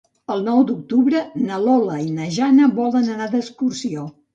El nou d'octubre na Lola i na Jana volen anar d'excursió.